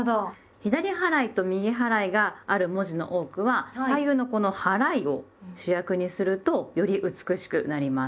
左払いと右払いがある文字の多くは左右のこの「はらい」を主役にするとより美しくなります。